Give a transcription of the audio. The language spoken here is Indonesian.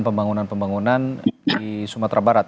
pembangunan pembangunan di sumatera barat